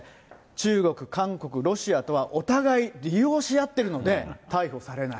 中国、韓国、ロシアとはお互い利用し合ってるので逮捕されない。